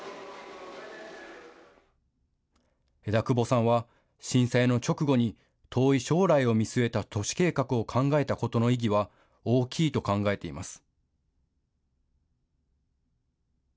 枝久保さんは震災の直後に遠い将来を見据えた都市計画を考えたことの意義は大きいと考えています。